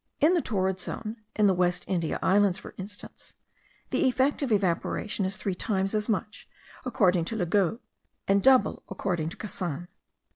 In the torrid zone, in the West India Islands for instance, the effect of evaporation is three times as much, according to Le Gaux, and double according to Cassan.